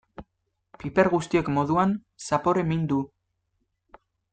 Piper guztiek moduan, zapore min du.